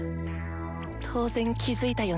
当然気付いたよね